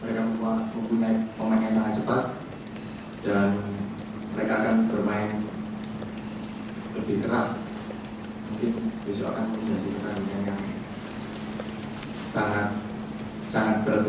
lebih keras mungkin besok akan menjadi pertandingan yang sangat berat lah